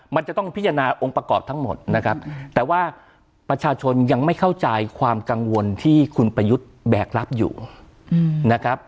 มันจะต้องพิจารณาองค์ประกอบทั้งหมดนะครับแต่ว่าประชาชนยังไม่เข้าใจความกังวลที่คุณประยุทธ์แบกรับอยู่นะครับ